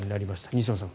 西野さん